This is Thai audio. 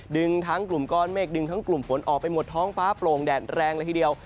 ดึงทั้งกลุ่มก้อนเมฆดึงทั้งกลุ่มฝนออกไปหมดท้องฟ้าโปร่งแดดแรงเลยทีเดียว